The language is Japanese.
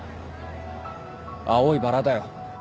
青いバラだよ